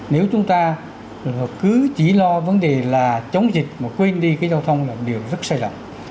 nếu chúng ta cứ chỉ lo vấn đề là chống dịch mà quên đi cái giao thông là điều rất sai lầm